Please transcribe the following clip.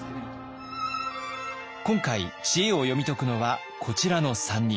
今回知恵を読み解くのはこちらの３人。